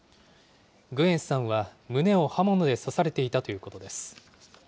グエンさんは胸を刃物で刺されていたということです。